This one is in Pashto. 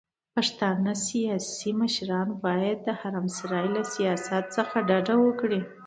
پښتانه سياسي مشران بايد د حرم سرای له سياست څخه ډډه وکړي.